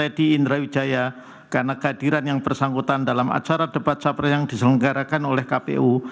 mayor teddy indrawijaya karena kehadiran yang bersangkutan dalam acara debat sabar yang diselenggarakan oleh kpu